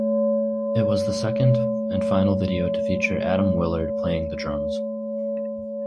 It was the second and final video to feature Atom Willard playing the drums.